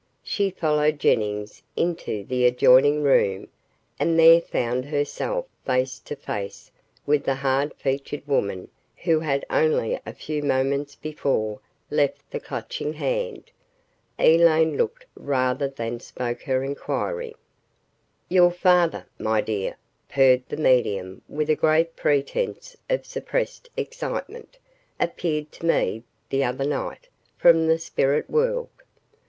She followed Jennings into the adjoining room and there found herself face to face with the hard featured woman who had only a few moments before left the Clutching Hand. Elaine looked rather than spoke her inquiry. "Your father, my dear," purred the medium with a great pretence of suppressed excitement, "appeared to me, the other night, from the spirit world.